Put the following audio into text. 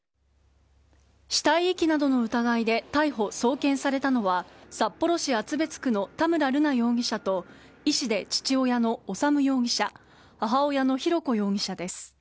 死体遺棄などの疑いで逮捕、送検されたのは札幌市厚別区の田村瑠奈容疑者と医師で父親の修容疑者母親の浩子容疑者です。